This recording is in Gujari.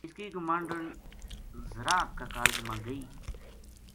اس کی گماہنڈن زراعت کا کالج ما گئی